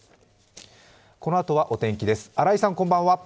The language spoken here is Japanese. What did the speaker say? このあとはお天気です。